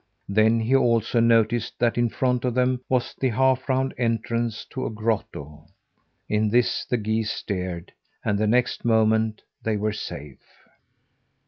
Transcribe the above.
Then he also noticed that in front of them was the half round entrance to a grotto. Into this the geese steered; and the next moment they were safe.